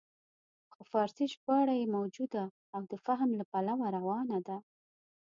خو فارسي ژباړه یې موجوده او د فهم له پلوه روانه ده.